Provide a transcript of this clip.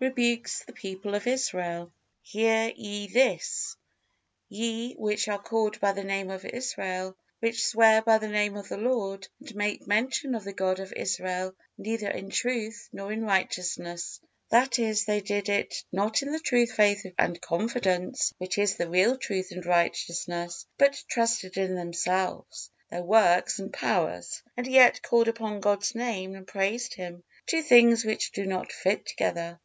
rebukes the people of Israel: "Hear ye this, ye which are called by the name of Israel, which swear by the Name of the Lord, and make mention of the God of Israel neither in truth, nor in righteousness"; that is, they did it not in the true faith and confidence, which is the real truth and righteousness, but trusted in themselves, their works and powers, and yet called upon God's Name and praised Him, two things which do not fit together.